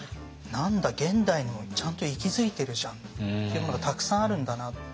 「何だ現代にもちゃんと息づいてるじゃん」ってものがたくさんあるんだなと。